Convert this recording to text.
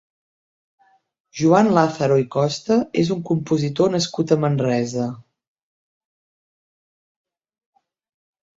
Joan Làzaro i Costa és un compositor nascut a Manresa.